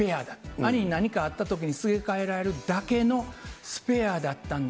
兄に何かあったときにすげ替えられるだけのスペアだったんだ。